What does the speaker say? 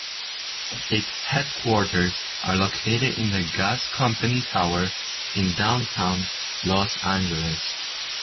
Its headquarters are located in the Gas Company Tower in Downtown Los Angeles.